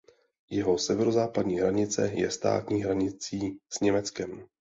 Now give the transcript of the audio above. Jeho severozápadní hranice je státní hranicí s Německem.